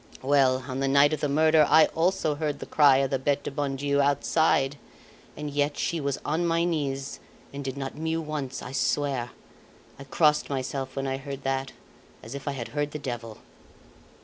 Well, on the night of the murder I also heard the cry of the Bete du bon Dieu outside; and yet she was on my knees, and did not mew once, I swear. I crossed myself when I heard that, as if I had heard the devil."